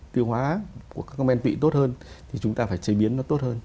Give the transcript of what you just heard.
tiêu hóa của các men tị tốt hơn thì chúng ta phải chế biến nó tốt hơn